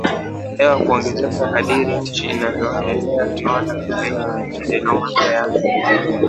hewa kuongezeka kadiri nchi zinavyoendela kiviwanda Katika nchi zenye maendeleo mapya ya